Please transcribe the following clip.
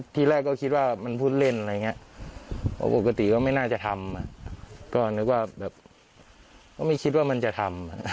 ที่แรกก็คิดว่ามันพูดเล่นอะไรอย่างนี้ปกติก็ไม่น่าจะทำก็นึกว่าแบบก็ไม่คิดว่ามันจะทำ